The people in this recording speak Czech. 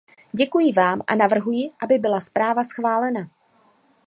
Děkuji vám a navrhuji, aby byla zpráva schválena.